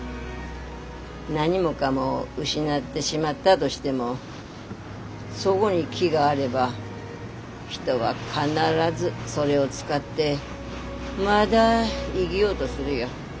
何もかも失ってしまったどしてもそごに木があれば人は必ずそれを使ってまだ生ぎようどするよ。